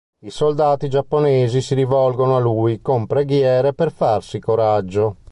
I soldati giapponesi si rivolgono a lui con preghiere per farsi coraggio.